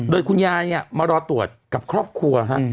โดยคุณยายเนี่ยมารอตรวจกับครอบครัวฮะ